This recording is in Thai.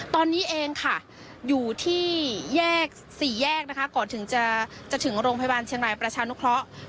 ตอนนี้เองค่ะอยู่ที่แยกสี่แยกนะคะก่อนถึงจะถึงโรงพยาบาลเชียงรายประชานุเคราะห์